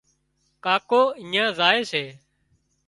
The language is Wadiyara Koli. ڪاڪو اڃين زائي سي